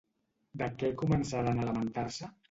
De què començaran a lamentar-se?